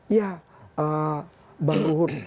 ya bang ruhun